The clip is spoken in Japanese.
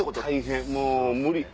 もう無理。